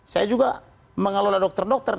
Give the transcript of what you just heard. saya juga mengelola dokter dokter